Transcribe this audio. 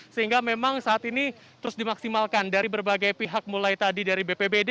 sehingga memang saat ini terus dimaksimalkan dari berbagai pihak mulai tadi dari bpbd